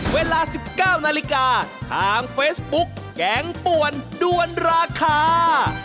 เวลา๑๙นาฬิกาทางเฟซบุ๊กแกงป่วนด้วนราคา